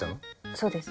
そうです。